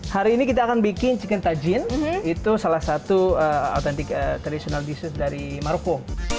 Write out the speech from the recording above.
hari ini kita akan bikin chicken tajin itu salah satu traditional dishes dari maroko